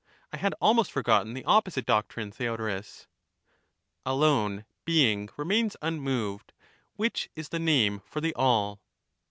I had almost forgotten the opposite doctrine, Theodorus, * Alone Being remains unmoved, which is the name for the all.'